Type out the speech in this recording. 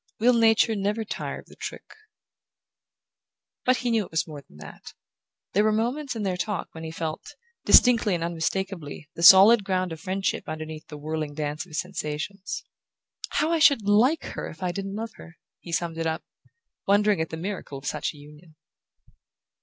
"Will Nature never tire of the trick?" But he knew it was more than that. There were moments in their talk when he felt, distinctly and unmistakably, the solid ground of friendship underneath the whirling dance of his sensations. "How I should like her if I didn't love her!" he summed it up, wondering at the miracle of such a union.